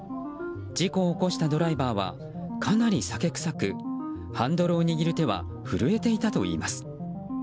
事故を起こしたドライバーはかなり酒臭くハンドルを握る手は震えていたといいます。